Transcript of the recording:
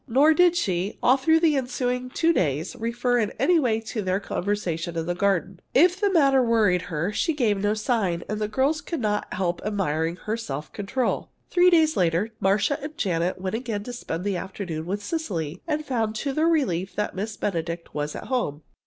Nor did she, all through the ensuing two days, refer in any way to their conversation in the garden. If the matter worried her, she gave no sign, and the girls could not help admiring her self control. Three days later, Marcia and Janet went again to spend the afternoon with Cecily, and found to their relief that Miss Benedict was at home.